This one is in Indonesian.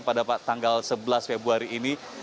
pada tanggal sebelas februari